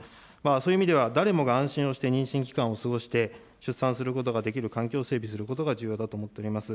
そういう意味では誰もが安心して妊娠期間を過ごして、出産することができる環境を整備することが重要だと思っております。